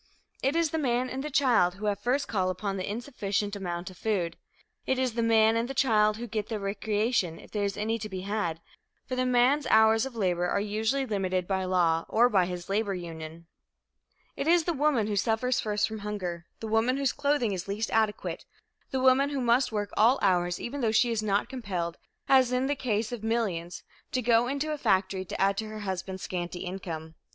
It is the man and the child who have first call upon the insufficient amount of food. It is the man and the child who get the recreation, if there is any to be had, for the man's hours of labor are usually limited by law or by his labor union. It is the woman who suffers first from hunger, the woman whose clothing is least adequate, the woman who must work all hours, even though she is not compelled, as in the case of millions, to go into a factory to add to her husband's scanty income.